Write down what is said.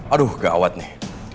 aduh gak awet nih